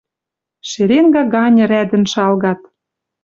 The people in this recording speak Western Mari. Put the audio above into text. Шеренга ганьы рядӹн шалгат.